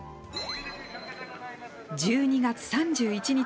１２月３１日。